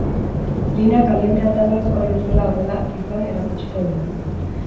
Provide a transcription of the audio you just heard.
Linea caliente atalak hori ez zela horrela izan erakutsiko digu.